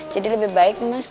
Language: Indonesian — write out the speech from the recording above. jadi lebih baik mas